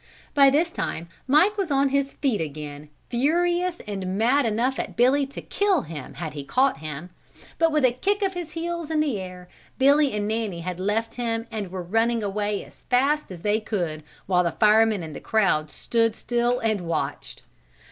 By this time Mike was on his feet again, furious and mad enough at Billy to kill him had he caught him, but with a kick of his heels in the air Billy and Nanny had left him and were running away as fast as they could while the firemen and the crowd stood still and watched.